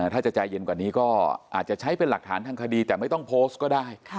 ถ้าจะใจเย็นกว่านี้ก็อาจจะใช้เป็นหลักฐานทางคดีแต่ไม่ต้องโพสต์ก็ได้